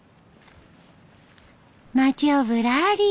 町をぶらり。